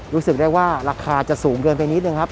รู้สึกได้ว่าราคาจะสูงเกินไปนิดนึงครับ